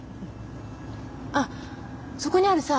あっそこにあるさ